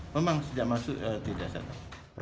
memang sejak masuk tidak sadar